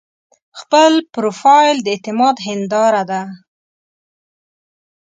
خپل پروفایل د اعتماد هنداره ده.